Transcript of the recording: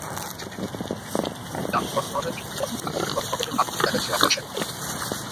Dance করনেওয়ালা যুবকেরা stereo বন্ধ করে কপালে হাত দিয়ে তাকাচ্ছে আকাশে।